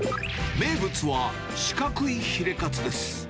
名物は、四角いヒレカツです。